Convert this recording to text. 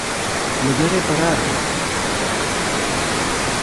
Mellor é parar.